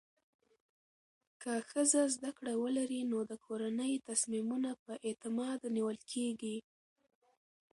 که ښځه زده کړه ولري، نو د کورنۍ تصمیمونه په اعتماد نیول کېږي.